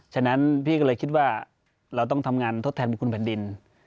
ฉะนั้นพี่ก็เลยคิดว่าเราต้องทำงานทดแทนบุคคลแผ่นดิน